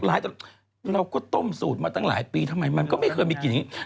เราก็ต้มสูตรมาตั้งหลายปีทำไมมันก็ไม่เคยมีกลิ่นอย่างนี้